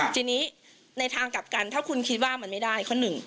ทีนี้ในทางกลับกันถ้าคุณคิดว่ามันไม่ได้ข้อหนึ่ง